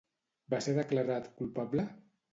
Va ser declarat culpable?